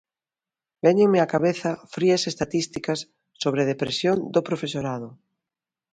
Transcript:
Véñenme á cabeza frías estatísticas sobre depresión do profesorado.